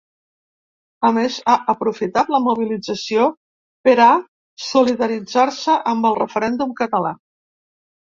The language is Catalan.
A més, ha aprofitat la mobilització per a solidaritzar-se amb el referèndum català.